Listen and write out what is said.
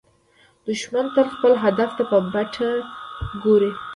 دښمن تل خپل هدف ته په پټه ګوري